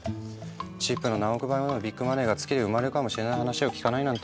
チップの何億倍のビッグマネーが月で生まれるかもしれない話を聞かないなんて